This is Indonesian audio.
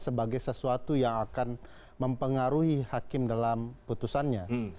sebagai sesuatu yang akan mempengaruhi hakim dalam putusannya